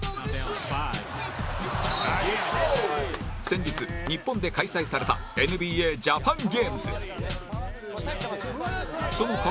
先日日本で開催された ＮＢＡ ジャパンゲームズ